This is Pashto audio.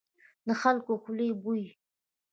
د خلکو خولې بويي.